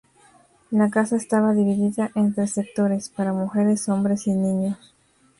La casa estaba dividida entres sectores: para mujeres, hombres y niños.